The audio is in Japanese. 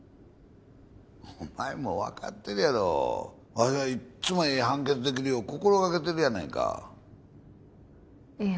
お前も分かってるやろわしはいっつもええ判決できるよう心がけてるやないかええ